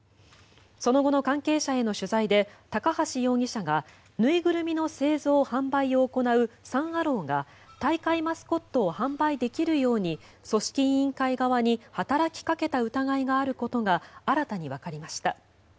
その後の関係者への取材で高橋容疑者が縫いぐるみの製造・販売を行うサン・アローが大会マスコットを販売できるように組織委員会側に働きかけた疑いがあることが新たにわかりました。